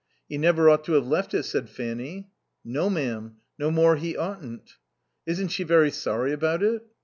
"He never ought to have left it," said Fanny. "No, ma'am. No more he oughtn't." "Isn't she very sorry about it?"